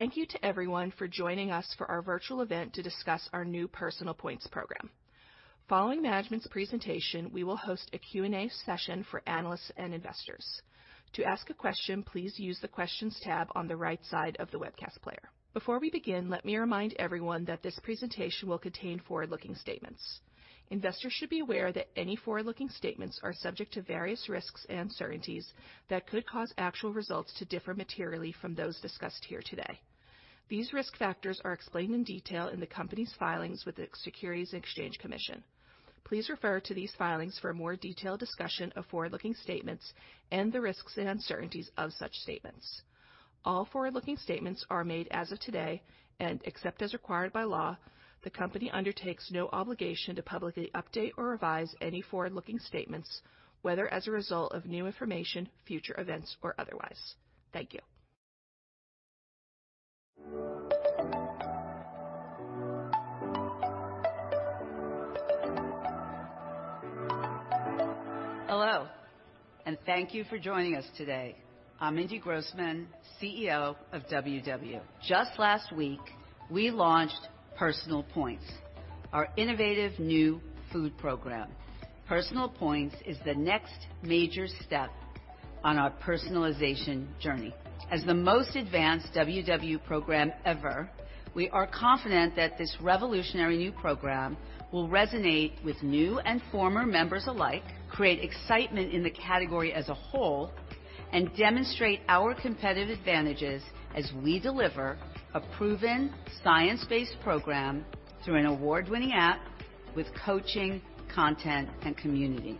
Thank you to everyone for joining for our virtual event to discuss our new PersonalPoints program. Following management's presentation, we will host a Q&A session for analysts and investors. To ask a question, please use the Questions tab on the right side of the webcast player. Before we begin, let me remind everyone that this presentation will contain forward-looking statements. Investors should be aware that any forward-looking statements are subject to various risks and uncertainties that could cause actual results to differ materially from those discussed here today. These risk factors are explained in detail in the company's filings with the Securities and Exchange Commission. Please refer to these filings for a more detailed discussion of forward-looking statements and the risks and uncertainties of such statements. All forward-looking statements are made as of today and, except as required by law, the company undertakes no obligation to publicly update or revise any forward-looking statements, whether as a result of new information, future events, or otherwise. Thank you. Hello, and thank you for joining us today. I'm Mindy Grossman, CEO of WW. Just last week, we launched PersonalPoints, our innovative new food program. PersonalPoints is the next major step on our personalization journey. As the most advanced WW program ever, we are confident that this revolutionary new program will resonate with new and former members alike, create excitement in the category as a whole, and demonstrate our competitive advantages as we deliver a proven, science-based program through an award-winning app with coaching, content, and community.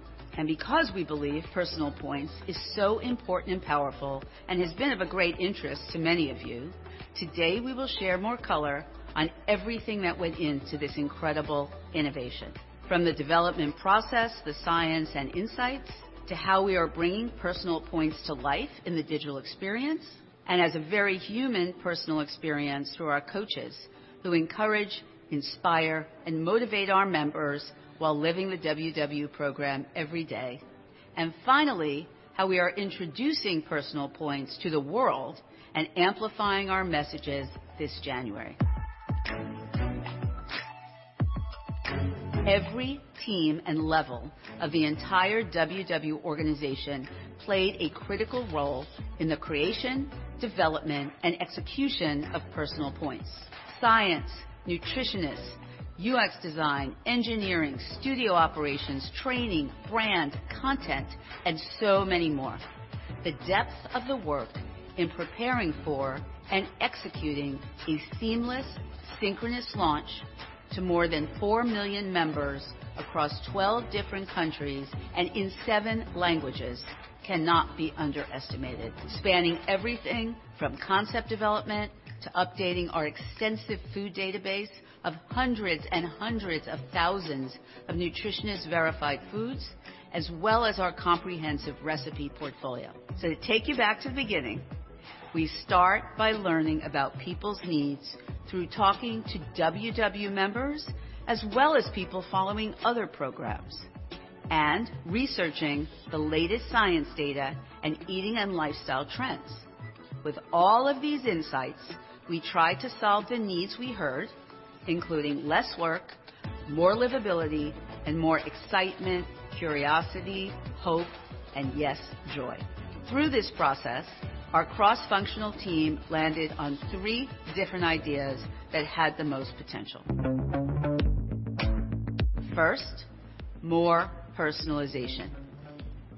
Because we believe PersonalPoints is so important and powerful and has been of great interest to many of you, today we will share more color on everything that went into this incredible innovation, from the development process, the science and insights, to how we are bringing PersonalPoints to life in the digital experience, and as a very human personal experience through our coaches who encourage, inspire, and motivate our members while living the WW program every day. Finally, how we are introducing PersonalPoints to the world and amplifying our messages this January. Every team and level of the entire WW organization played a critical role in the creation, development, and execution of PersonalPoints. Science, Nutritionists, UX design, engineering, studio operations, training, brand, content, and so many more. The depth of the work in preparing for and executing a seamless, synchronous launch to more than four million members across 12 different countries and in seven languages cannot be underestimated, spanning everything from concept development to updating our extensive food database of hundreds and hundreds of thousands of nutritionist-verified foods, as well as our comprehensive recipe portfolio. So to take you back to the beginning, we start by learning about people's needs through talking to WW members as well as people following other programs and researching the latest science data and eating and lifestyle trends. With all of these insights, we try to solve the needs we heard, including less work, more livability, and more excitement, curiosity, hope, and yes, joy. Through this process, our cross-functional team landed on three different ideas that had the most potential. First, more personalization.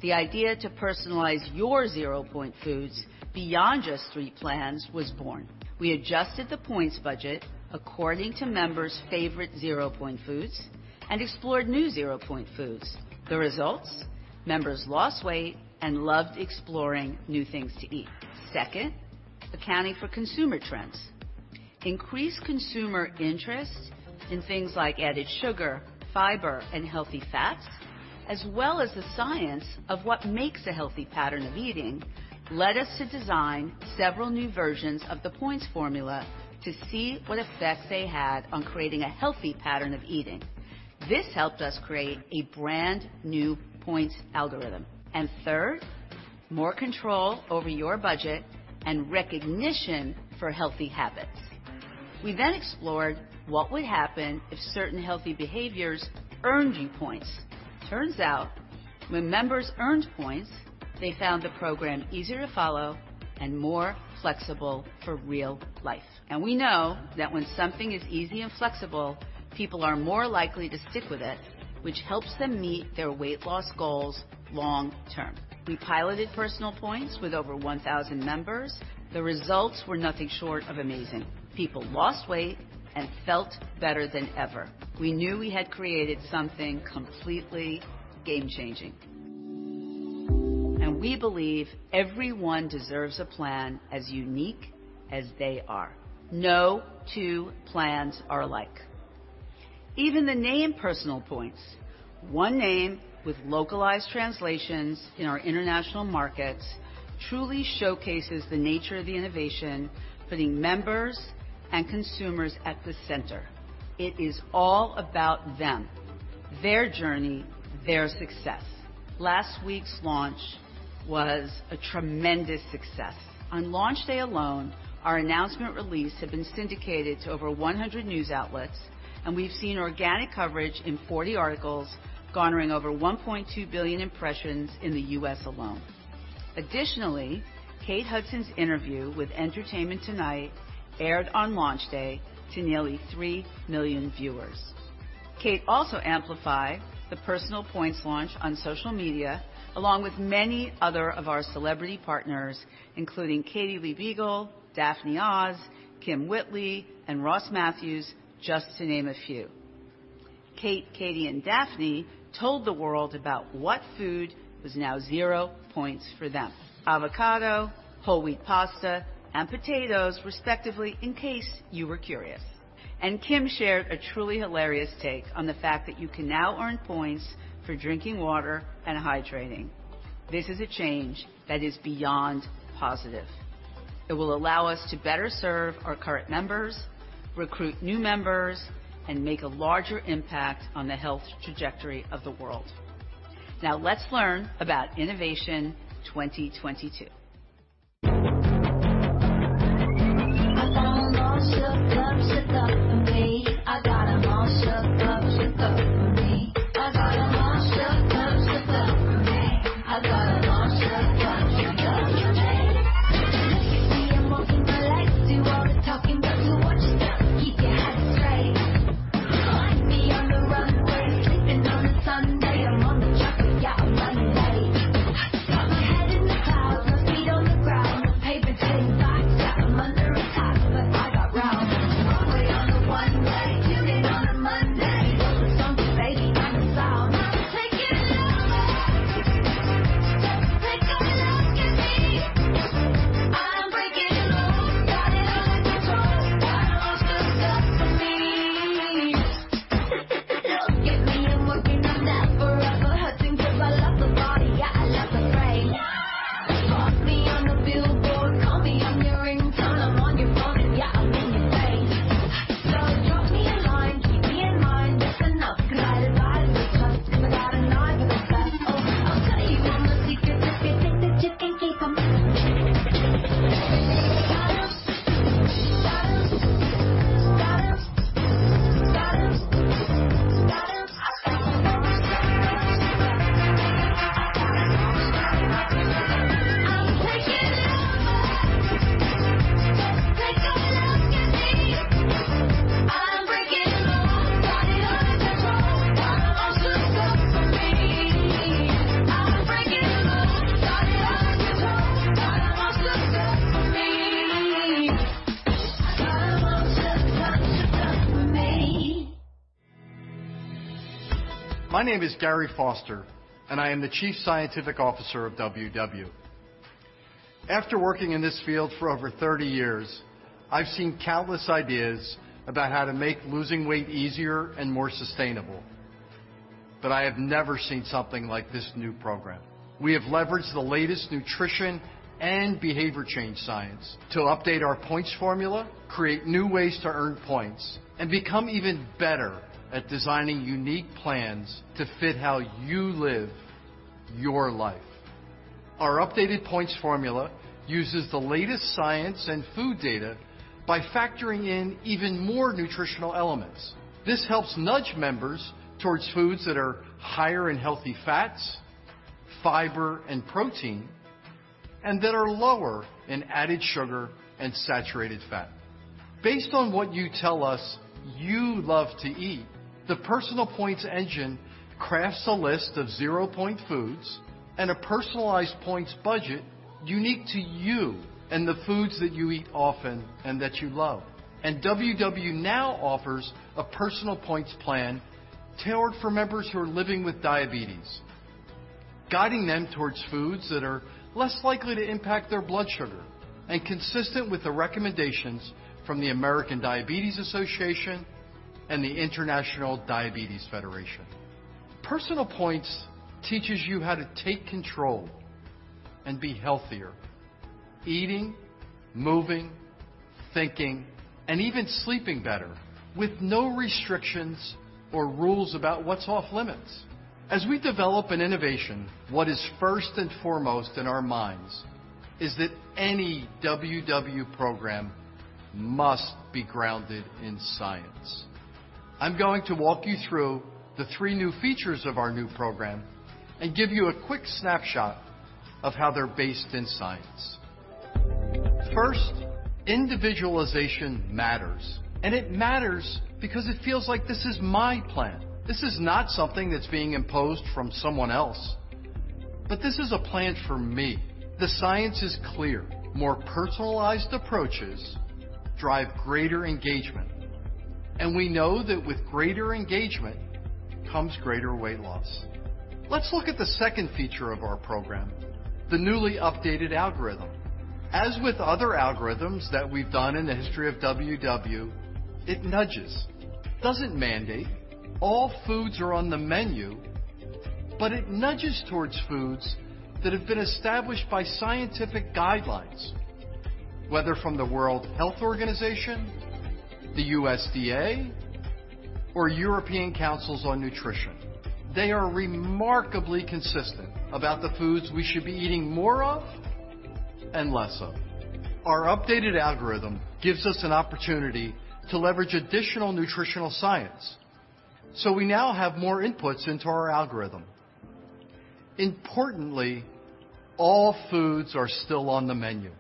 The idea to personalize your ZeroPoint foods beyond just three plans was born. We adjusted the points budget according to members' favorite ZeroPoint foods and explored new ZeroPoint foods. The results? Members lost weight and loved exploring new things to eat. Second, accounting for consumer trends. Increased consumer interest in things like added sugar, fiber, and healthy fats, as well as the science of what makes a healthy pattern of eating, led us to design several new versions of the points formula to see what effect they had on creating a healthy pattern of eating. This helped us create a brand-new points algorithm. And third, more control over your budget and recognition for healthy habits. We then explored what would happen if certain healthy behaviors earned you points. Turns out, when members earned points, they found the program easier to follow and more flexible for real life. We know that when something is easy and flexible, people are more likely to stick with it, which helps them meet their weight loss goals long-term. We piloted PersonalPoints with over 1,000 members. The results were nothing short of amazing. People lost weight and felt better than ever. We knew we had created something completely game-changing. We believe everyone deserves a plan as unique as they are. No two plans are alike. Even the name PersonalPoints, one name with localized translations in our international markets, truly showcases the nature of the innovation, putting members and consumers at the center. It is all about them, their journey, their success. Last week's launch was a tremendous success. On launch day alone, our announcement release had been syndicated to over 100 news outlets, and we've seen organic coverage in 40 articles, garnering over 1.2 billion impressions in the U.S. alone. Additionally, Kate Hudson's interview with Entertainment Tonight aired on launch day to nearly three million viewers. Kate also amplified the PersonalPoints launch on social media, along with many other of our celebrity partners, including Katie Lee Biegel, Daphne Oz, Kym Whitley, and Ross Mathews, just to name a few. Kate, Katie, and Daphne told the world about what food was now zero points for them: avocado, whole wheat pasta, and potatoes, respectively, in case you were curious, and Kim shared a truly hilarious take on the fact that you can now earn points My name is Gary Foster, and I am the Chief Scientific Officer of WW. After working in this field for over 30 years, I've seen countless ideas about how to make losing weight easier and more sustainable. But I have never seen something like this new program. We have leveraged the latest nutrition and behavior change science to update our points formula, create new ways to earn points, and become even better at designing unique plans to fit how you live your life. Our updated points formula uses the latest science and food data by factoring in even more nutritional elements. This helps nudge members towards foods that are higher in healthy fats, fiber, and protein, and that are lower in added sugar and saturated fat. Based on what you tell us you love to eat, the PersonalPoints Engine crafts a list of ZeroPoint foods and a personalized points budget unique to you and the foods that you eat often and that you love. And WW now offers a PersonalPoints plan tailored for members who are living with diabetes, guiding them towards foods that are less likely to impact their blood sugar and consistent with the recommendations from the American Diabetes Association and the International Diabetes Federation. PersonalPoints teaches you how to take control and be healthier, eating, moving, thinking, and even sleeping better with no restrictions or rules about what's off-limits. As we develop an innovation, what is first and foremost in our minds is that any WW program must be grounded in science. I'm going to walk you through the three new features of our new program and give you a quick snapshot of how they're based in science. First, individualization matters. And it matters because it feels like this is my plan. This is not something that's being imposed from someone else. But this is a plan for me. The science is clear. More personalized approaches drive greater engagement. And we know that with greater engagement comes greater weight loss. Let's look at the second feature of our program, the newly updated algorithm. As with other algorithms that we've done in the history of WW, it nudges. It doesn't mandate. All foods are on the menu, but it nudges towards foods that have been established by scientific guidelines, whether from the World Health Organization, the USDA, or European Councils on Nutrition. They are remarkably consistent about the foods we should be eating more of and less of. Our updated algorithm gives us an opportunity to leverage additional nutritional science, so we now have more inputs into our algorithm. Importantly, all foods are still on the menu.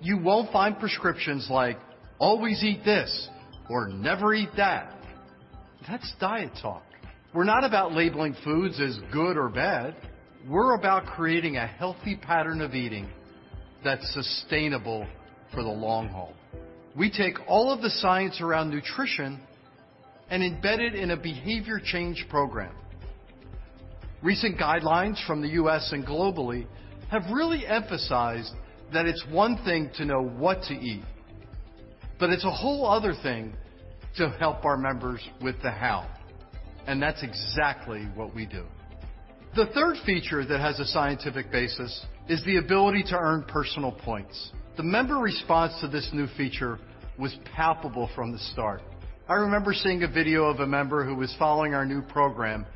You won't find prescriptions like, "Always eat this," or "Never eat that." That's diet talk. We're not about labeling foods as good or bad. We're about creating a healthy pattern of eating that's sustainable for the long haul. We take all of the science around nutrition and embed it in a behavior change program. Recent guidelines from the U.S. and globally have really emphasized that it's one thing to know what to eat, but it's a whole other thing to help our members with the how, and that's exactly what we do. The third feature that has a scientific basis is the ability to earn personal points. The member response to this new feature was palpable from the start. I remember seeing a video of a member who was following our new program,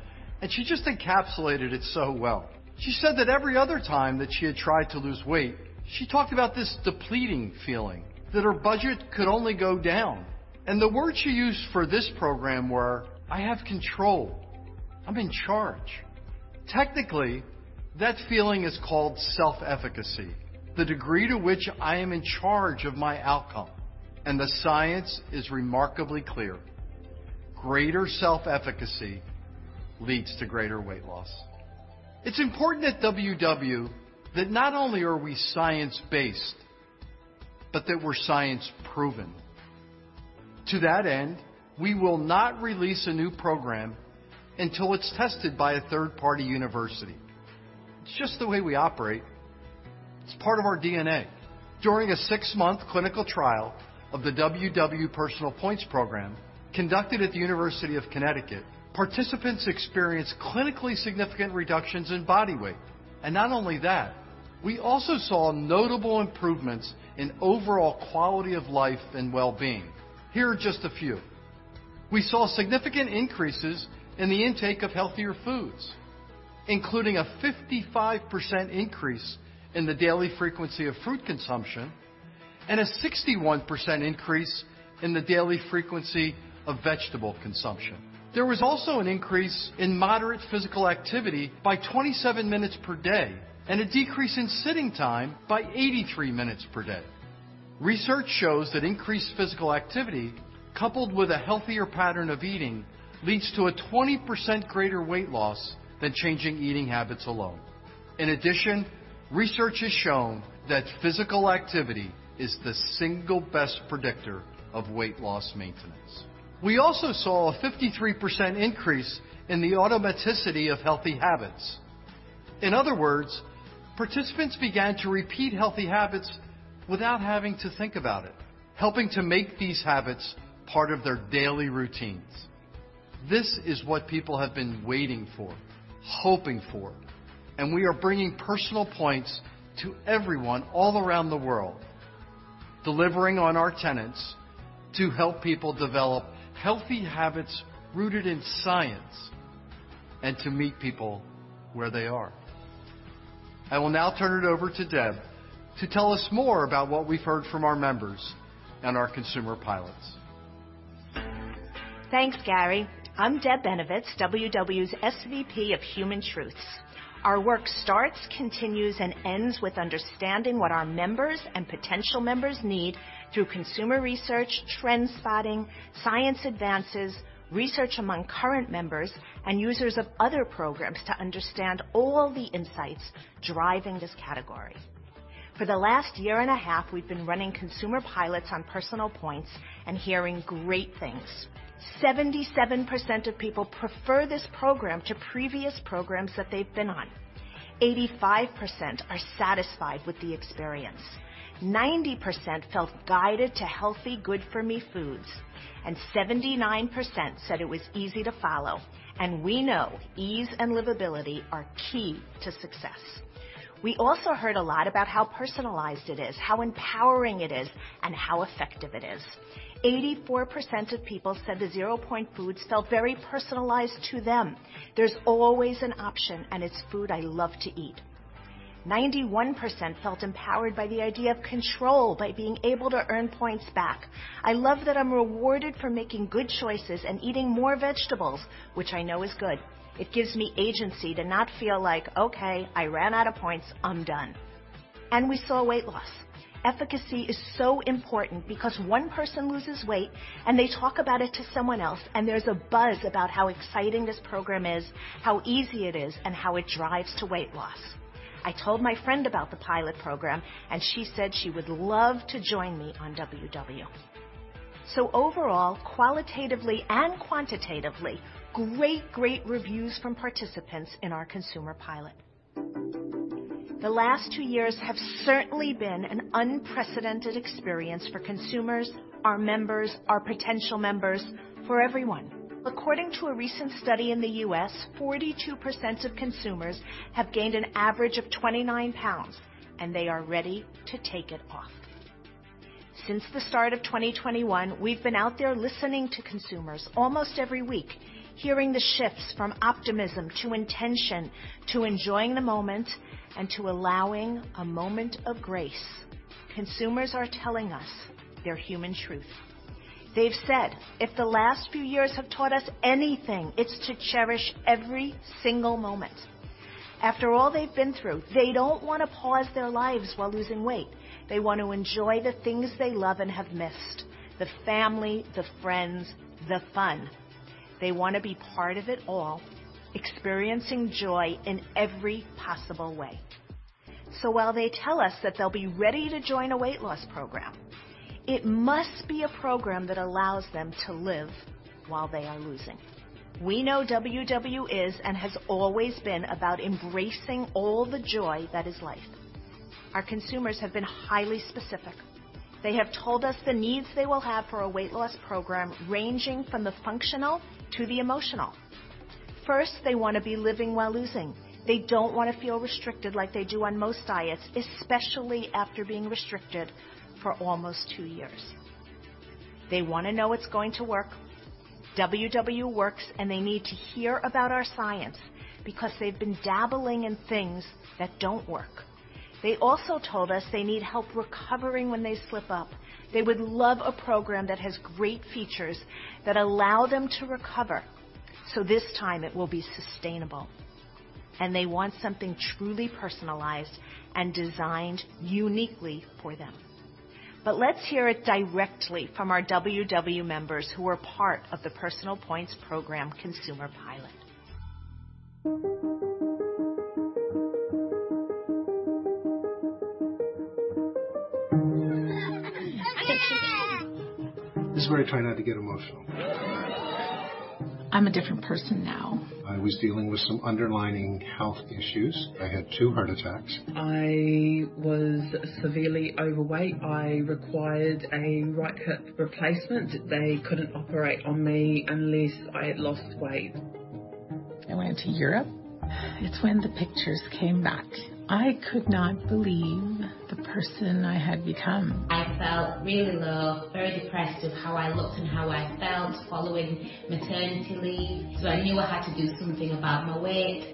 and she just encapsulated it so well. She said that every other time that she had tried to lose weight, she talked about this depleting feeling, that her budget could only go down, and the word she used for this program were, "I have control. I'm in charge." Technically, that feeling is called self-efficacy, the degree to which I am in charge of my outcome, and the science is remarkably clear. Greater self-efficacy leads to greater weight loss. It's important at WW that not only are we science-based, but that we're science-proven. To that end, we will not release a new program until it's tested by a third-party university. It's just the way we operate. It's part of our DNA. During a six-month clinical trial of the WW PersonalPoints program conducted at the University of Connecticut, participants experienced clinically significant reductions in body weight. And not only that, we also saw notable improvements in overall quality of life and well-being. Here are just a few. We saw significant increases in the intake of healthier foods, including a 55% increase in the daily frequency of fruit consumption and a 61% increase in the daily frequency of vegetable consumption. There was also an increase in moderate physical activity by 27 minutes per day and a decrease in sitting time by 83 minutes per day. Research shows that increased physical activity, coupled with a healthier pattern of eating, leads to a 20% greater weight loss than changing eating habits alone. In addition, research has shown that physical activity is the single best predictor of weight loss maintenance. We also saw a 53% increase in the automaticity of healthy habits. In other words, participants began to repeat healthy habits without having to think about it, helping to make these habits part of their daily routines. This is what people have been waiting for, hoping for, and we are bringing PersonalPoints to everyone all around the world, delivering on our tenets to help people develop healthy habits rooted in science and to meet people where they are. I will now turn it over to Deb to tell us more about what we've heard from our members and our consumer pilots. Thanks, Gary. I'm Deb Benovitz, WW's SVP of Human Truths. Our work starts, continues, and ends with understanding what our members and potential members need through consumer research, trend spotting, science advances, research among current members, and users of other programs to understand all the insights driving this category. For the last year and a half, we've been running consumer pilots on PersonalPoints and hearing great things. 77% of people prefer this program to previous programs that they've been on. 85% are satisfied with the experience. 90% felt guided to healthy, good-for-me foods, and 79% said it was easy to follow, and we know ease and livability are key to success. We also heard a lot about how personalized it is, how empowering it is, and how effective it is. 84% of people said the ZeroPoint foods felt very personalized to them. There's always an option, and it's food I love to eat. 91% felt empowered by the idea of control, by being able to earn points back. I love that I'm rewarded for making good choices and eating more vegetables, which I know is good. It gives me agency to not feel like, "Okay, I ran out of points. I'm done." And we saw weight loss. Efficacy is so important because one person loses weight, and they talk about it to someone else, and there's a buzz about how exciting this program is, how easy it is, and how it drives to weight loss. I told my friend about the pilot program, and she said she would love to join me on WW. So overall, qualitatively and quantitatively, great, great reviews from participants in our consumer pilot. The last two years have certainly been an unprecedented experience for consumers, our members, our potential members, for everyone. According to a recent study in the U.S., 42% of consumers have gained an average of 29 pounds, and they are ready to take it off. Since the start of 2021, we've been out there listening to consumers almost every week, hearing the shifts from optimism to intention, to enjoying the moment, and to allowing a moment of grace. Consumers are telling us their human truth. They've said, "If the last few years have taught us anything, it's to cherish every single moment." After all they've been through, they don't want to pause their lives while losing weight. They want to enjoy the things they love and have missed: the family, the friends, the fun. They want to be part of it all, experiencing joy in every possible way. So while they tell us that they'll be ready to join a weight loss program, it must be a program that allows them to live while they are losing. We know WW is and has always been about embracing all the joy that is life. Our consumers have been highly specific. They have told us the needs they will have for a weight loss program, ranging from the functional to the emotional. First, they want to be living while losing. They don't want to feel restricted like they do on most diets, especially after being restricted for almost two years. They want to know it's going to work. WW works, and they need to hear about our science because they've been dabbling in things that don't work. They also told us they need help recovering when they slip up. They would love a program that has great features that allow them to recover. So this time, it will be sustainable. And they want something truly personalized and designed uniquely for them. But let's hear it directly from our WW members who are part of the PersonalPoints program consumer pilot. This is where I try not to get emotional. I'm a different person now. I was dealing with some underlying health issues. I had two heart attacks. I was severely overweight. I required a right hip replacement. They couldn't operate on me unless I had lost weight. I went to Europe. It's when the pictures came back. I could not believe the person I had become. I felt really low, very depressed with how I looked and how I felt following maternity leave. So I knew I had to do something about my weight.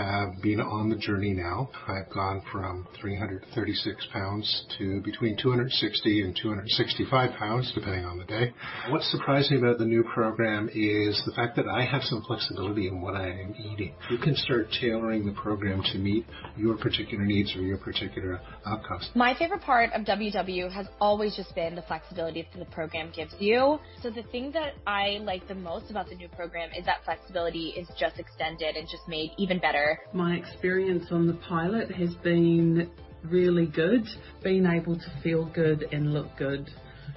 I have been on the journey now. I've gone from 336 lbs to between 260 and 265 lbs, depending on the day. What's surprising about the new program is the fact that I have some flexibility in what I am eating. You can start tailoring the program to meet your particular needs or your particular outcomes. My favorite part of WW has always just been the flexibility that the program gives you. So the thing that I like the most about the new program is that flexibility is just extended and just made even better. My experience on the pilot has been really good, being able to feel good and look good.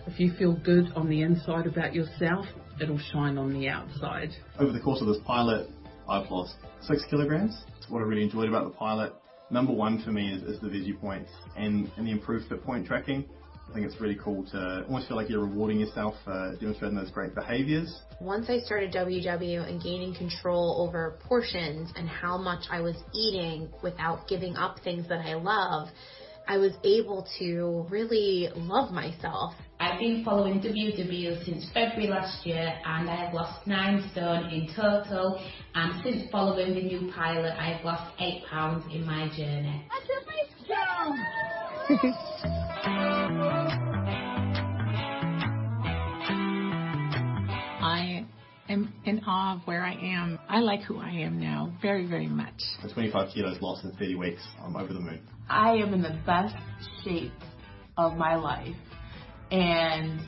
If you feel good on the inside about yourself, it'll shine on the outside. Over the course of this pilot, I've lost six kilograms. What I really enjoyed about the pilot, number one for me, is the VisiPoints and the improved food point tracking. I think it's really cool to almost feel like you're rewarding yourself for demonstrating those great behaviors. Once I started WW and gaining control over portions and how much I was eating without giving up things that I love, I was able to really love myself. I've been following WW since February last year, and I have lost nine stone in total, and since following the new pilot, I have lost eight pounds in my journey. I did my job! I am in awe of where I am. I like who I am now very, very much. The 25 kilos lost in 30 weeks, I'm over the moon. I am in the best shape of my life, and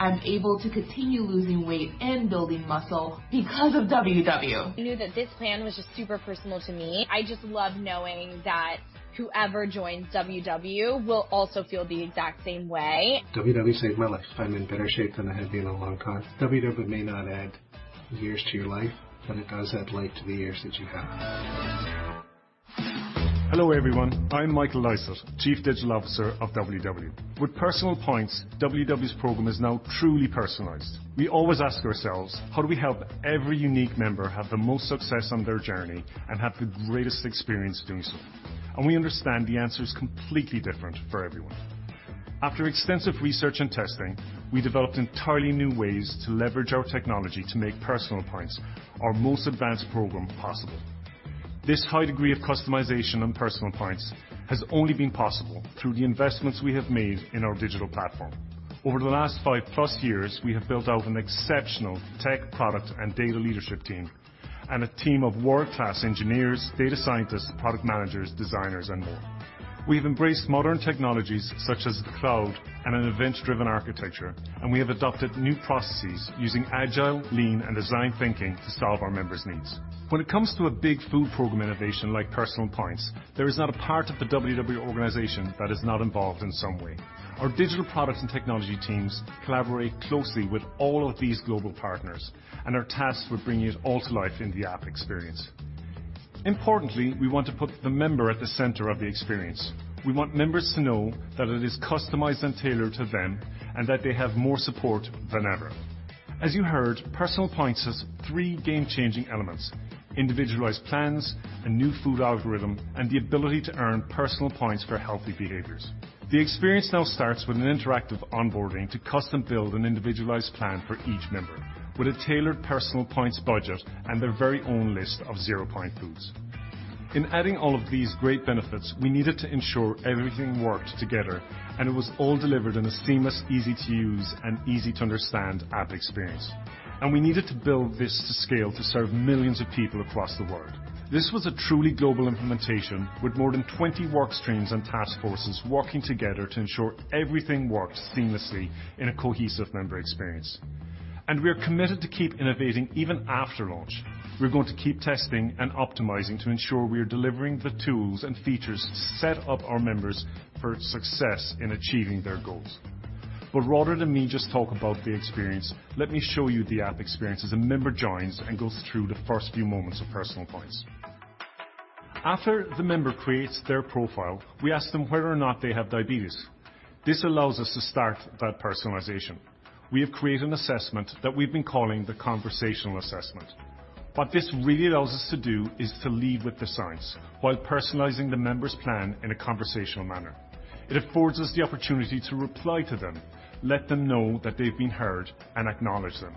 I'm able to continue losing weight and building muscle because of WW. I knew that this plan was just super personal to me. I just love knowing that whoever joins WW will also feel the exact same way. WW saved my life. I'm in better shape than I have been in a long time. WW may not add years to your life, but it does add light to the years that you have. Hello, everyone. I'm Michael Lysaght, Chief Digital Officer of WW. With PersonalPoints, WW's program is now truly personalized. We always ask ourselves, how do we help every unique member have the most success on their journey and have the greatest experience doing so? And we understand the answer is completely different for everyone. After extensive research and testing, we developed entirely new ways to leverage our technology to make PersonalPoints, our most advanced program, possible. This high degree of customization on PersonalPoints has only been possible through the investments we have made in our digital platform. Over the last five-plus years, we have built out an exceptional tech product and data leadership team and a team of world-class engineers, data scientists, product managers, designers, and more. We have embraced modern technologies such as the cloud and an event-driven architecture, and we have adopted new processes using agile, lean, and design thinking to solve our members' needs. When it comes to a big food program innovation like PersonalPoints, there is not a part of the WW organization that is not involved in some way. Our digital product and technology teams collaborate closely with all of these global partners and are tasked with bringing it all to life in the app experience. Importantly, we want to put the member at the center of the experience. We want members to know that it is customized and tailored to them and that they have more support than ever. As you heard, PersonalPoints has three game-changing elements: individualized plans, a new food algorithm, and the ability to earn PersonalPoints for healthy behaviors. The experience now starts with an interactive onboarding to custom-build an individualized plan for each member with a tailored PersonalPoints budget and their very own list of ZeroPoint foods. In adding all of these great benefits, we needed to ensure everything worked together, and it was all delivered in a seamless, easy-to-use, and easy-to-understand app experience, and we needed to build this to scale to serve millions of people across the world. This was a truly global implementation with more than 20 workstreams and task forces working together to ensure everything worked seamlessly in a cohesive member experience, and we are committed to keep innovating even after launch. We're going to keep testing and optimizing to ensure we are delivering the tools and features to set up our members for success in achieving their goals. But rather than me just talk about the experience, let me show you the app experience as a member joins and goes through the first few moments of PersonalPoints. After the member creates their profile, we ask them whether or not they have diabetes. This allows us to start that personalization. We have created an assessment that we've been calling the conversational assessment. What this really allows us to do is to lead with the science while personalizing the member's plan in a conversational manner. It affords us the opportunity to reply to them, let them know that they've been heard, and acknowledge them.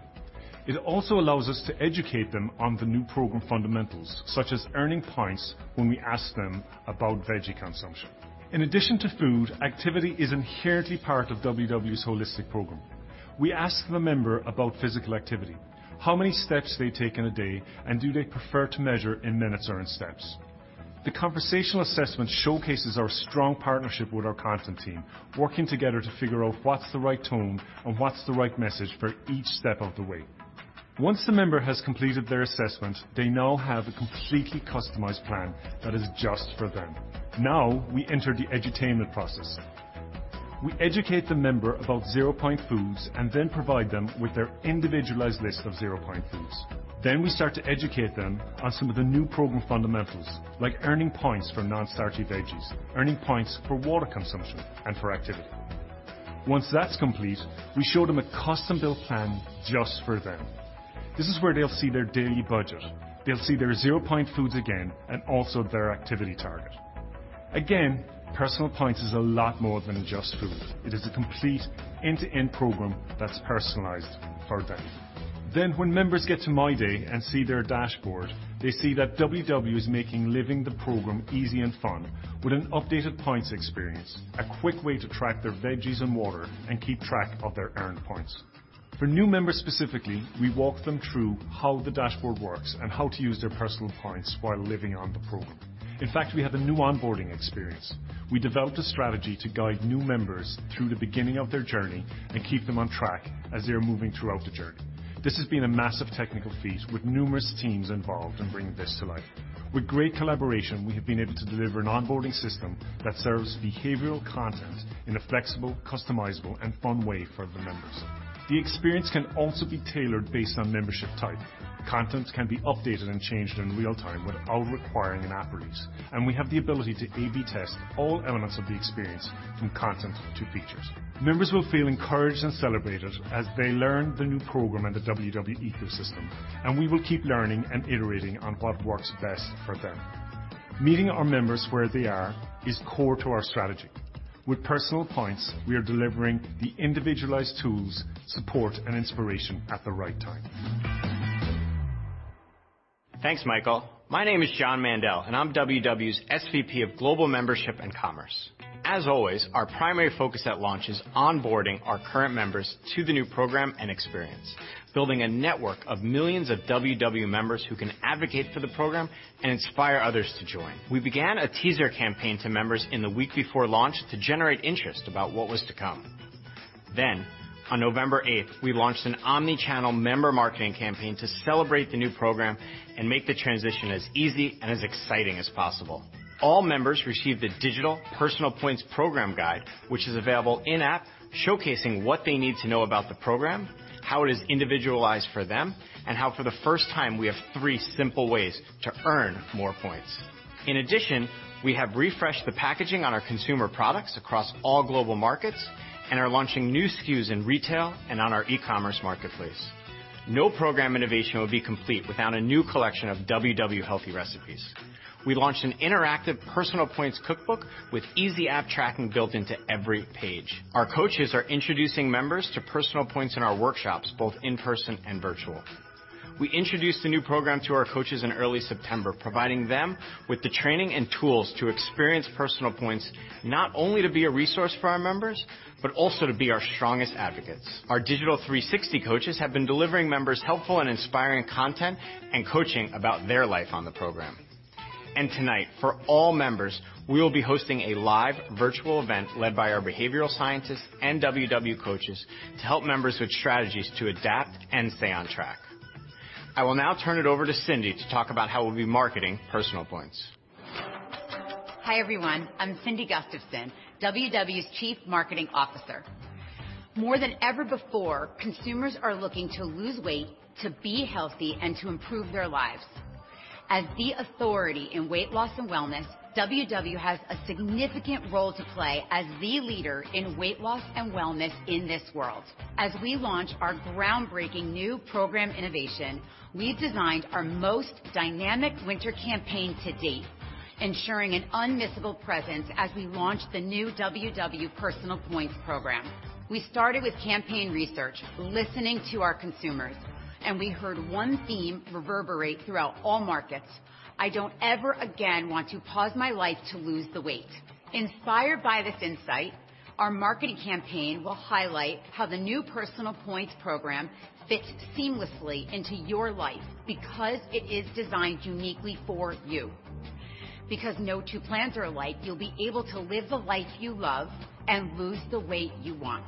It also allows us to educate them on the new program fundamentals, such as earning points when we ask them about veggie consumption. In addition to food, activity is inherently part of WW's holistic program. We ask the member about physical activity, how many steps they take in a day, and do they prefer to measure in minutes or in steps. The conversational assessment showcases our strong partnership with our content team, working together to figure out what's the right tone and what's the right message for each step of the way. Once the member has completed their assessment, they now have a completely customized plan that is just for them. Now we enter the edutainment process. We educate the member about ZeroPoint foods and then provide them with their individualized list of ZeroPoint foods. Then we start to educate them on some of the new program fundamentals, like earning points for non-starchy veggies, earning points for water consumption, and for activity. Once that's complete, we show them a custom-built plan just for them. This is where they'll see their daily budget. They'll see their ZeroPoint foods again and also their activity target. Again, PersonalPoints is a lot more than just food. It is a complete end-to-end program that's personalized for them. Then when members get to My Day and see their dashboard, they see that WW is making living the program easy and fun with an updated points experience, a quick way to track their veggies and water and keep track of their earned points. For new members specifically, we walk them through how the dashboard works and how to use their PersonalPoints while living on the program. In fact, we have a new onboarding experience. We developed a strategy to guide new members through the beginning of their journey and keep them on track as they are moving throughout the journey. This has been a massive technical feat with numerous teams involved in bringing this to life. With great collaboration, we have been able to deliver an onboarding system that serves behavioral content in a flexible, customizable, and fun way for the members. The experience can also be tailored based on membership type. Content can be updated and changed in real time without requiring an app release, and we have the ability to A/B test all elements of the experience from content to features. Members will feel encouraged and celebrated as they learn the new program and the WW ecosystem, and we will keep learning and iterating on what works best for them. Meeting our members where they are is core to our strategy. With PersonalPoints, we are delivering the individualized tools, support, and inspiration at the right time. Thanks, Michael. My name is John Mandell, and I'm WW's SVP of Global Membership and Commerce. As always, our primary focus at launch is onboarding our current members to the new program and experience, building a network of millions of WW members who can advocate for the program and inspire others to join. We began a teaser campaign to members in the week before launch to generate interest about what was to come. Then, on November 8th, we launched an omnichannel member marketing campaign to celebrate the new program and make the transition as easy and as exciting as possible. All members received a digital PersonalPoints program guide, which is available in-app, showcasing what they need to know about the program, how it is individualized for them, and how for the first time we have three simple ways to earn more points. In addition, we have refreshed the packaging on our consumer products across all global markets and are launching new SKUs in retail and on our e-commerce marketplace. No program innovation would be complete without a new collection of WW Healthy Recipes. We launched an interactive PersonalPoints cookbook with easy app tracking built into every page. Our coaches are introducing members to PersonalPoints in our workshops, both in-person and virtual. We introduced the new program to our coaches in early September, providing them with the training and tools to experience PersonalPoints not only to be a resource for our members, but also to be our strongest advocates. Our Digital 360 coaches have been delivering members helpful and inspiring content and coaching about their life on the program. Tonight, for all members, we will be hosting a live virtual event led by our behavioral scientists and WW coaches to help members with strategies to adapt and stay on track. I will now turn it over to Cindy to talk about how we'll be marketing PersonalPoints. Hi, everyone. I'm Cindy Gustafson, WW's Chief Marketing Officer. More than ever before, consumers are looking to lose weight, to be healthy, and to improve their lives. As the authority in weight loss and wellness, WW has a significant role to play as the leader in weight loss and wellness in this world. As we launch our groundbreaking new program innovation, we've designed our most dynamic winter campaign to date, ensuring an unmissable presence as we launch the new WW PersonalPoints program. We started with campaign research, listening to our consumers, and we heard one theme reverberate throughout all markets: "I don't ever again want to pause my life to lose the weight." Inspired by this insight, our marketing campaign will highlight how the new PersonalPoints program fits seamlessly into your life because it is designed uniquely for you. Because no two plans are alike, you'll be able to live the life you love and lose the weight you want.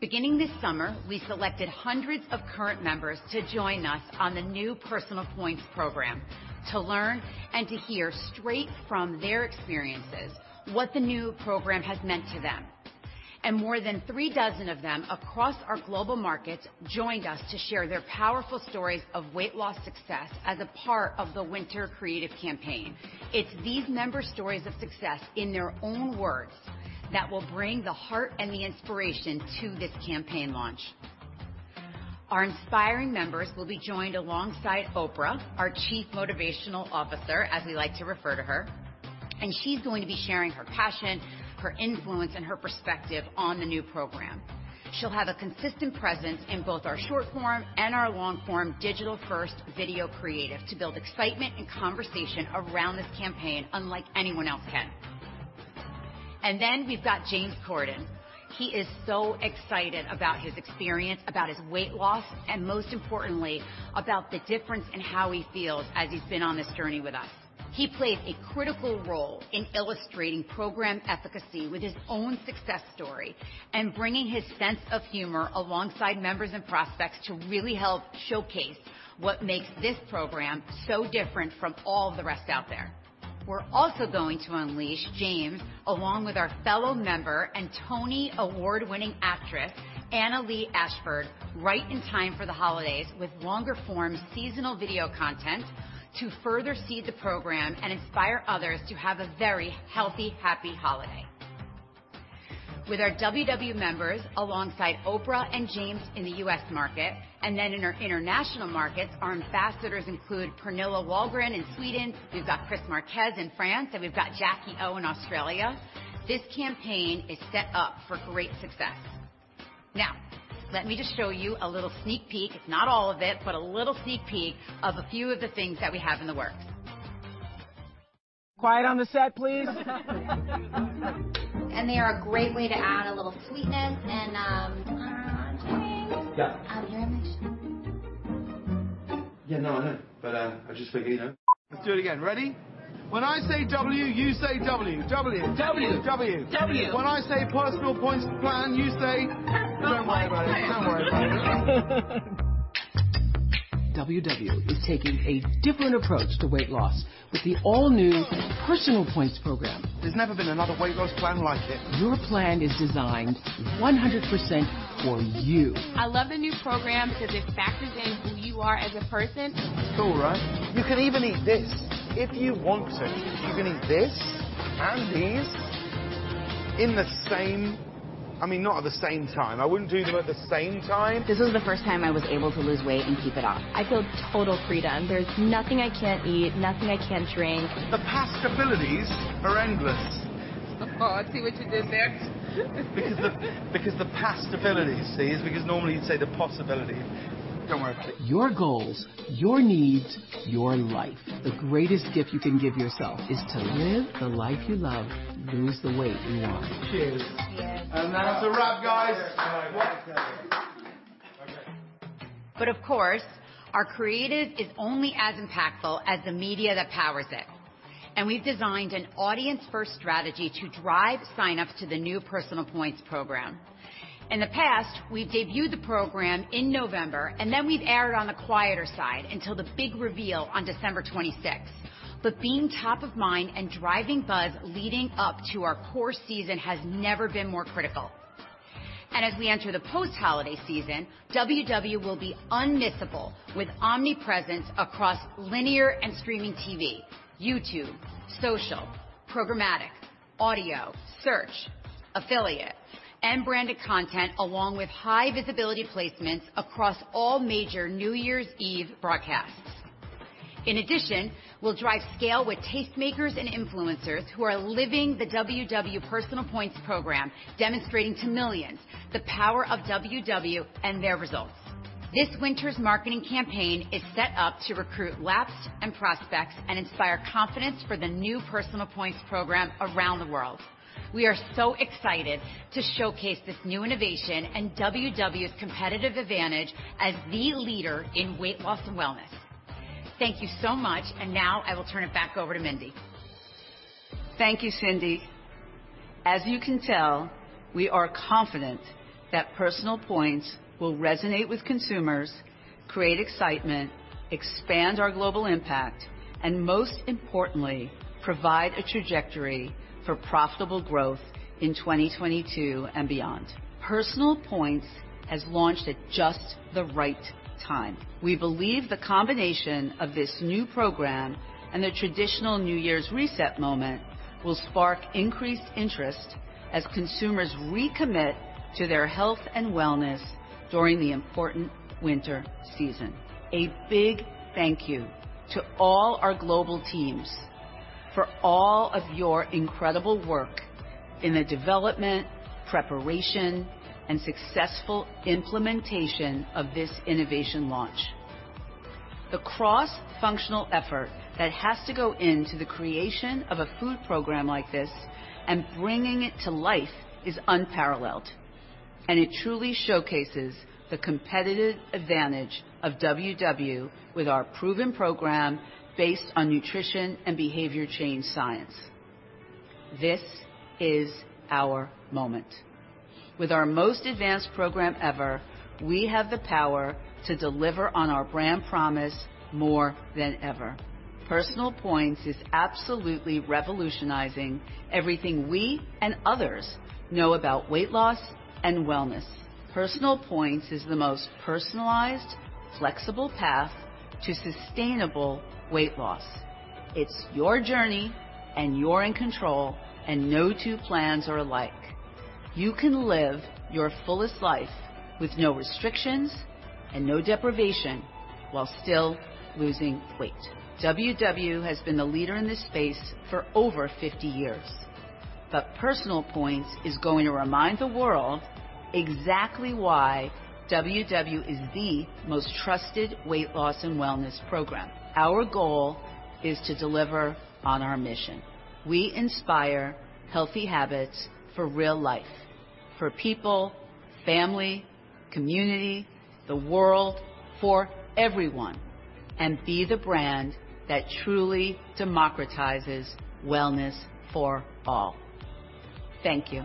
Beginning this summer, we selected hundreds of current members to join us on the new PersonalPoints program to learn and to hear straight from their experiences what the new program has meant to them, and more than three dozen of them across our global markets joined us to share their powerful stories of weight loss success as a part of the winter creative campaign. It's these members' stories of success in their own words that will bring the heart and the inspiration to this campaign launch. Our inspiring members will be joined alongside Oprah, our Chief Motivational Officer, as we like to refer to her, and she's going to be sharing her passion, her influence, and her perspective on the new program. She'll have a consistent presence in both our short-form and our long-form Digital First video creative to build excitement and conversation around this campaign unlike anyone else can. And then we've got James Corden. He is so excited about his experience, about his weight loss, and most importantly, about the difference in how he feels as he's been on this journey with us. He plays a critical role in illustrating program efficacy with his own success story and bringing his sense of humor alongside members and prospects to really help showcase what makes this program so different from all of the rest out there. We're also going to unleash James, along with our fellow member and Tony Award-winning actress, Annaleigh Ashford, right in time for the holidays with longer-form seasonal video content to further seed the program and inspire others to have a very healthy, happy holiday. With our WW members alongside Oprah and James in the U.S. market and then in our international markets, our ambassadors include Pernilla Wahlgren in Sweden, we've got Chris Marques in France, and we've got Jackie O in Australia. This campaign is set up for great success. Now, let me just show you a little sneak peek, not all of it, but a little sneak peek of a few of the things that we have in the works. Quiet on the set, please. They are a great way to add a little sweetness and. Yeah. Yeah, no, I know, but I just figured, you know. Let's do it again. Ready? When I say W, you say W. W, W, W. When I say PersonalPoints plan, you say? Don't worry about it. Don't worry about it. WW is taking a different approach to weight loss with the all-new PersonalPoints program. There's never been another weight loss plan like it. Your plan is designed 100% for you. I love the new program because it factors in who you are as a person. Cool, right? You can even eat this if you want to. You can eat this and these in the same, I mean, not at the same time. I wouldn't do them at the same time. This was the first time I was able to lose weight and keep it off. I feel total freedom. There's nothing I can't eat, nothing I can't drink. The possibilities are endless. Oh, I see what you did there. Because the possibilities, see, is because normally you'd say the possibility. Don't worry about it. Your goals, your needs, your life, the greatest gift you can give yourself is to live the life you love, lose the weight you want. Cheers. And that's a wrap, guys. But of course, our creative is only as impactful as the media that powers it. And we've designed an audience-first strategy to drive sign-ups to the new PersonalPoints program. In the past, we've debuted the program in November, and then we've erred on the quieter side until the big reveal on December 26th. But being top of mind and driving buzz leading up to our core season has never been more critical. And as we enter the post-holiday season, WW will be unmissable with omnipresence across linear and streaming TV, YouTube, social, programmatic, audio, search, affiliate, and branded content, along with high-visibility placements across all major New Year's Eve broadcasts. In addition, we'll drive scale with tastemakers and influencers who are living the WW PersonalPoints program, demonstrating to millions the power of WW and their results. This winter's marketing campaign is set up to recruit lapsed and prospects and inspire confidence for the new PersonalPoints program around the world. We are so excited to showcase this new innovation and WW's competitive advantage as the leader in weight loss and wellness. Thank you so much, and now I will turn it back over to Mindy. Thank you, Cindy. As you can tell, we are confident that PersonalPoints will resonate with consumers, create excitement, expand our global impact, and most importantly, provide a trajectory for profitable growth in 2022 and beyond. PersonalPoints has launched at just the right time. We believe the combination of this new program and the traditional New Year's reset moment will spark increased interest as consumers recommit to their health and wellness during the important winter season. A big thank you to all our global teams for all of your incredible work in the development, preparation, and successful implementation of this innovation launch. The cross-functional effort that has to go into the creation of a food program like this and bringing it to life is unparalleled, and it truly showcases the competitive advantage of WW with our proven program based on nutrition and behavior change science. This is our moment. With our most advanced program ever, we have the power to deliver on our brand promise more than ever. PersonalPoints is absolutely revolutionizing everything we and others know about weight loss and wellness. PersonalPoints is the most personalized, flexible path to sustainable weight loss. It's your journey, and you're in control, and no two plans are alike. You can live your fullest life with no restrictions and no deprivation while still losing weight. WW has been the leader in this space for over 50 years, but PersonalPoints is going to remind the world exactly why WW is the most trusted weight loss and wellness program. Our goal is to deliver on our mission. We inspire healthy habits for real life, for people, family, community, the world, for everyone, and be the brand that truly democratizes wellness for all. Thank you.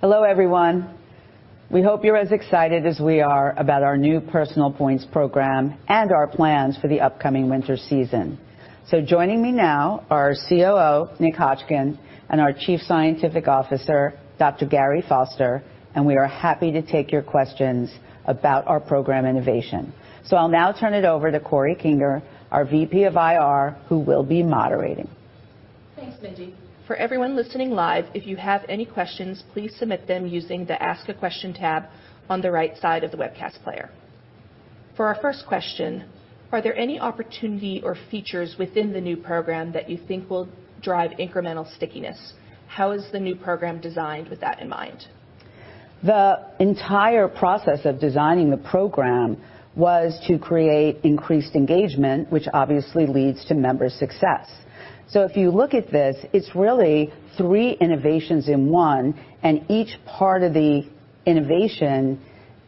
Hello, everyone. We hope you're as excited as we are about our new PersonalPoints program and our plans for the upcoming winter season. So joining me now are COO Nick Hotchkin and our Chief Scientific Officer, Dr. Gary Foster, and we are happy to take your questions about our program innovation. So I'll now turn it over to Corey Kinger, our VP of IR, who will be moderating. Thanks, Mindy. For everyone listening live, if you have any questions, please submit them using the Ask a Question tab on the right side of the webcast player. For our first question, are there any opportunity or features within the new program that you think will drive incremental stickiness? How is the new program designed with that in mind? The entire process of designing the program was to create increased engagement, which obviously leads to member success. So if you look at this, it's really three innovations in one, and each part of the innovation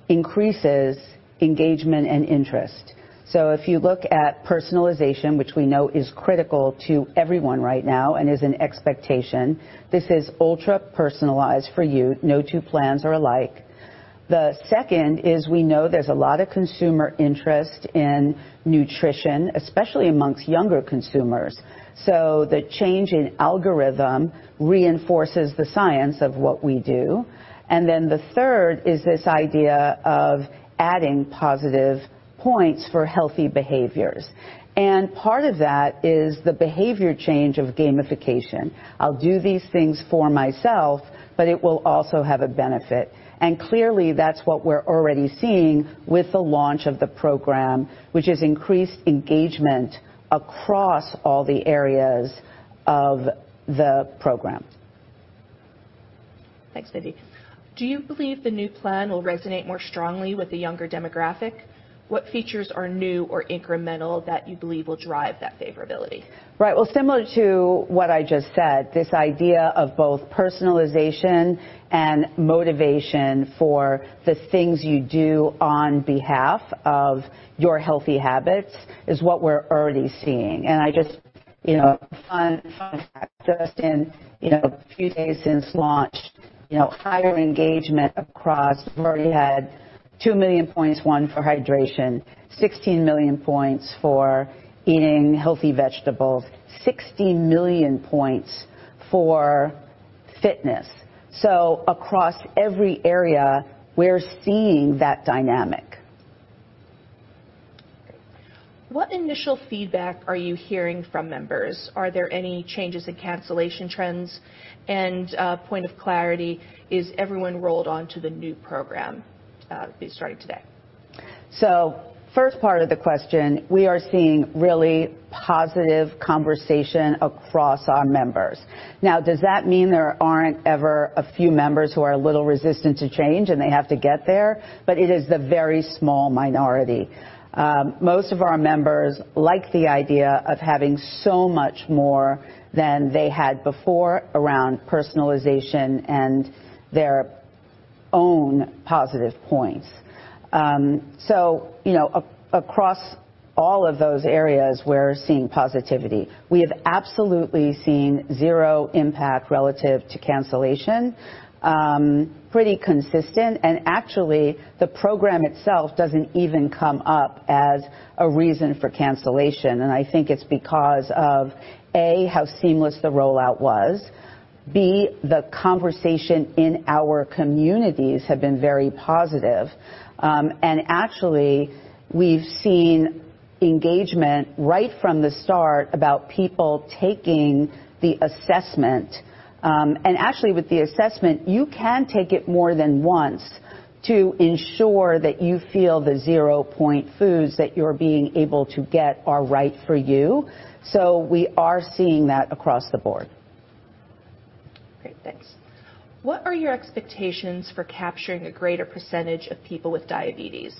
increases engagement and interest. So if you look at personalization, which we know is critical to everyone right now and is an expectation, this is ultra-personalized for you. No two plans are alike. The second is we know there's a lot of consumer interest in nutrition, especially among younger consumers. So the change in algorithm reinforces the science of what we do. And then the third is this idea of adding positive points for healthy behaviors. And part of that is the behavior change of gamification. I'll do these things for myself, but it will also have a benefit. Clearly, that's what we're already seeing with the launch of the program, which is increased engagement across all the areas of the program. Thanks, Mindy. Do you believe the new plan will resonate more strongly with the younger demographic? What features are new or incremental that you believe will drive that favorability? Right. Well, similar to what I just said, this idea of both personalization and motivation for the things you do on behalf of your healthy habits is what we're already seeing. And I just, you know, fun fact, just in a few days since launch, higher engagement across we already had two million points, one for hydration, 16 million points for eating healthy vegetables, 60 million points for fitness. So across every area, we're seeing that dynamic. What initial feedback are you hearing from members? Are there any changes in cancellation trends? And, point of clarity, is everyone rolled onto the new program starting today? So first part of the question, we are seeing really positive conversation across our members. Now, does that mean there aren't ever a few members who are a little resistant to change and they have to get there? But it is the very small minority. Most of our members like the idea of having so much more than they had before around personalization and their own PersonalPoints. So across all of those areas, we're seeing positivity. We have absolutely seen zero impact relative to cancellation, pretty consistent. And actually, the program itself doesn't even come up as a reason for cancellation. And I think it's because of, A, how seamless the rollout was, B, the conversation in our communities have been very positive. And actually, we've seen engagement right from the start about people taking the assessment. Actually, with the assessment, you can take it more than once to ensure that you feel the ZeroPoint foods that you're being able to get are right for you. We are seeing that across the board. Great. Thanks. What are your expectations for capturing a greater percentage of people with diabetes?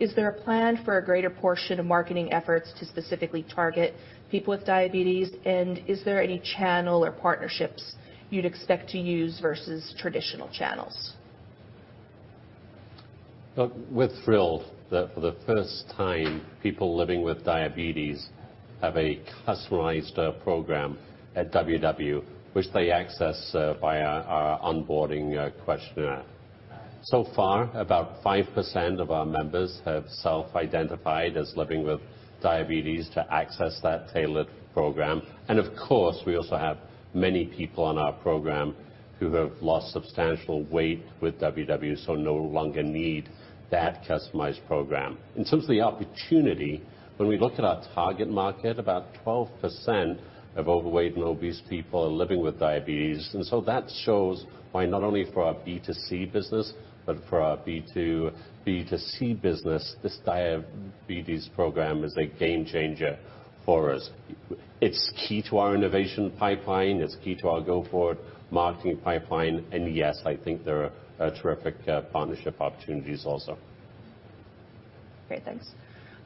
Is there a plan for a greater portion of marketing efforts to specifically target people with diabetes? And is there any channel or partnerships you'd expect to use versus traditional channels? We're thrilled that for the first time, people living with diabetes have a customized program at WW, which they access via our onboarding questionnaire. So far, about 5% of our members have self-identified as living with diabetes to access that tailored program. And of course, we also have many people on our program who have lost substantial weight with WW, so no longer need that customized program. In terms of the opportunity, when we look at our target market, about 12% of overweight and obese people are living with diabetes. And so that shows why not only for our B2C business, but for our B2C business, this diabetes program is a game changer for us. It's key to our innovation pipeline. It's key to our go-forward marketing pipeline. And yes, I think there are terrific partnership opportunities also. Great. Thanks.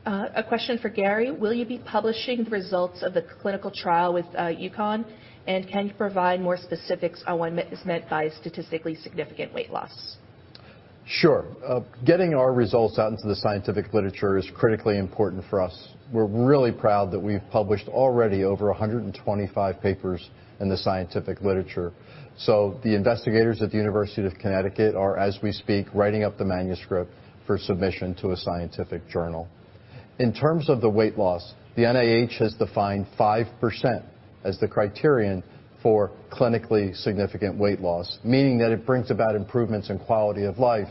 A question for Gary. Will you be publishing the results of the clinical trial with UConn? And can you provide more specifics on what is meant by statistically significant weight loss? Sure. Getting our results out into the scientific literature is critically important for us. We're really proud that we've published already over 125 papers in the scientific literature. So the investigators at the University of Connecticut are, as we speak, writing up the manuscript for submission to a scientific journal. In terms of the weight loss, the NIH has defined 5% as the criterion for clinically significant weight loss, meaning that it brings about improvements in quality of life,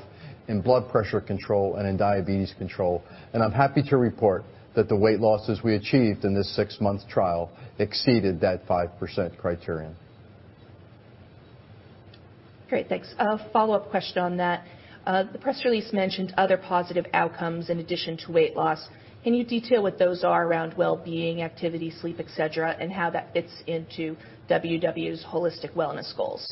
in blood pressure control, and in diabetes control. And I'm happy to report that the weight losses we achieved in this six-month trial exceeded that 5% criterion. Great. Thanks. A follow-up question on that. The press release mentioned other positive outcomes in addition to weight loss. Can you detail what those are around well-being, activity, sleep, etc., and how that fits into WW's holistic wellness goals?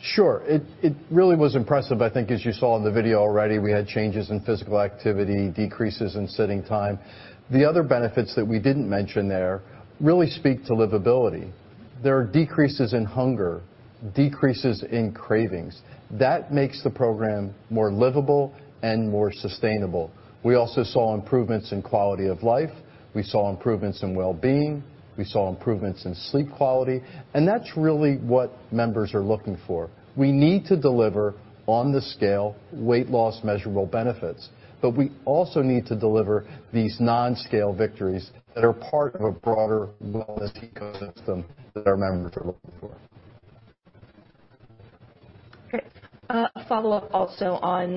Sure. It really was impressive. I think, as you saw in the video already, we had changes in physical activity, decreases in sitting time. The other benefits that we didn't mention there really speak to livability. There are decreases in hunger, decreases in cravings. That makes the program more livable and more sustainable. We also saw improvements in quality of life. We saw improvements in well-being. We saw improvements in sleep quality. And that's really what members are looking for. We need to deliver on the scale weight loss measurable benefits, but we also need to deliver these non-scale victories that are part of a broader wellness ecosystem that our members are looking for. Great. A follow-up also on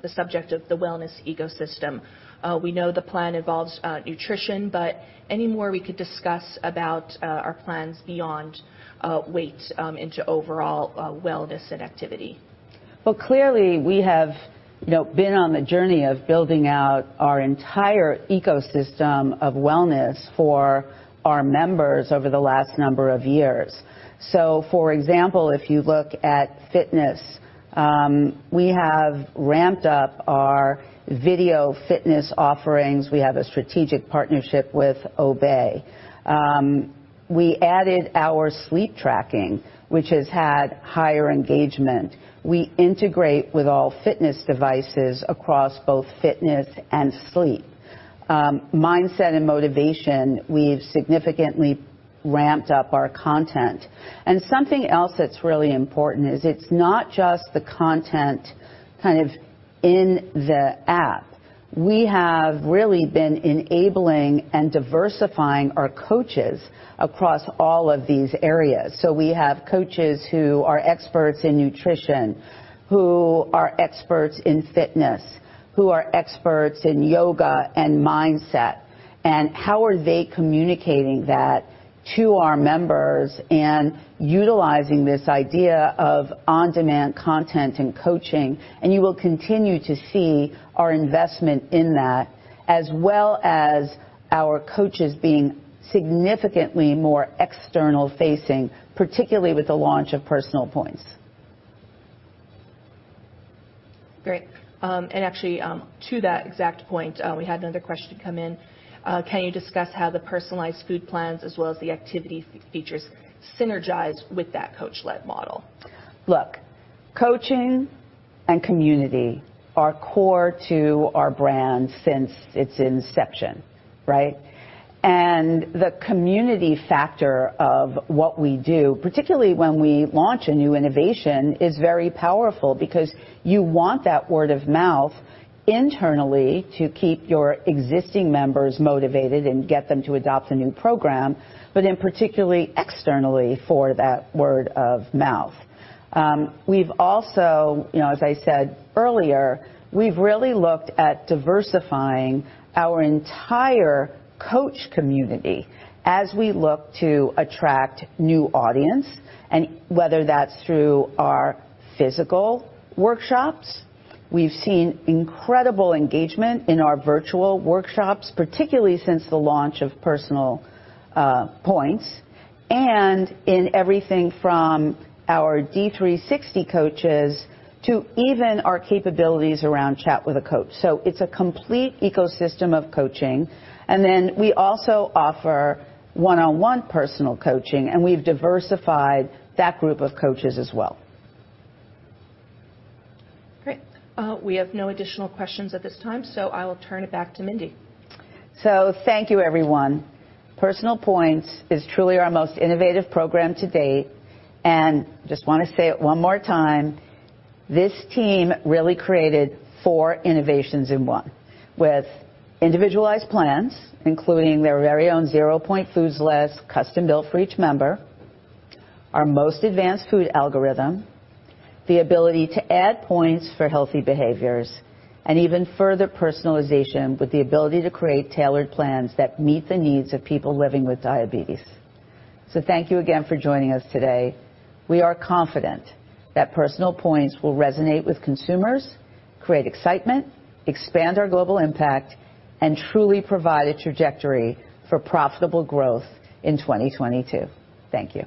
the subject of the wellness ecosystem. We know the plan involves nutrition, but any more we could discuss about our plans beyond weight into overall wellness and activity? Clearly, we have been on the journey of building out our entire ecosystem of wellness for our members over the last number of years. For example, if you look at fitness, we have ramped up our video fitness offerings. We have a strategic partnership with Obé. We added our sleep tracking, which has had higher engagement. We integrate with all fitness devices across both fitness and sleep. Mindset and motivation, we've significantly ramped up our content. Something else that's really important is it's not just the content kind of in the app. We have really been enabling and diversifying our coaches across all of these areas. So we have coaches who are experts in nutrition, who are experts in fitness, who are experts in yoga and mindset. How are they communicating that to our members and utilizing this idea of on-demand content and coaching? You will continue to see our investment in that, as well as our coaches being significantly more external-facing, particularly with the launch of PersonalPoints. Great. And actually, to that exact point, we had another question come in. Can you discuss how the personalized food plans as well as the activity features synergize with that coach-led model? Look, coaching and community are core to our brand since its inception, right, and the community factor of what we do, particularly when we launch a new innovation, is very powerful because you want that word of mouth internally to keep your existing members motivated and get them to adopt the new program, but, in particular, externally for that word of mouth. We've also, as I said earlier, we've really looked at diversifying our entire coach community as we look to attract new audience, and whether that's through our physical workshops. We've seen incredible engagement in our virtual workshops, particularly since the launch of PersonalPoints, and in everything from our D360 coaches to even our capabilities around chat with a coach, so it's a complete ecosystem of coaching, and then we also offer one-on-one personal coaching, and we've diversified that group of coaches as well. Great. We have no additional questions at this time, so I will turn it back to Mindy. So thank you, everyone. PersonalPoints is truly our most innovative program to date. And I just want to say it one more time. This team really created four innovations in one with individualized plans, including their very own ZeroPoint foods list, custom-built for each member, our most advanced food algorithm, the ability to add points for healthy behaviors, and even further personalization with the ability to create tailored plans that meet the needs of people living with diabetes. So thank you again for joining us today. We are confident that PersonalPoints will resonate with consumers, create excitement, expand our global impact, and truly provide a trajectory for profitable growth in 2022. Thank you.